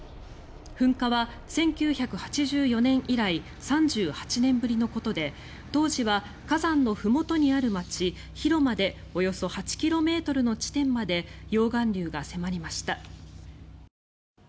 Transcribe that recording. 噴火は１９８４年以来３８年ぶりのことで当時は火山のふもとにある街ヒロまでおよそ８ｋｍの地点まで溶岩流が迫りました。